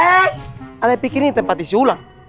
ada yang pikir ini tempat isi ulang